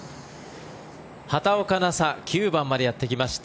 畑岡奈紗９番までやってきました。